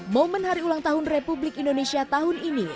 momen hari ulang tahun republik indonesia tahun ini